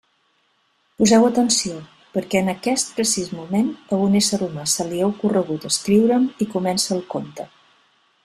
Poseu atenció, perquè en aquest precís moment, a un ésser humà se li ha ocorregut escriure'm i comença el conte.